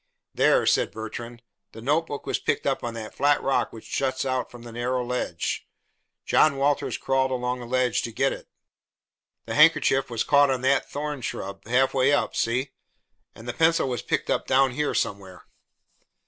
"There," said Bertrand, "the notebook was picked up on that flat rock which juts out from that narrow ledge. John Walters crawled along the ledge to get it. The handkerchief was caught on that thorn shrub, halfway up, see? And the pencil was picked up down here, somewhere."